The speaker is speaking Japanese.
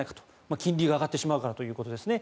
金利が上がってしまうからということですね。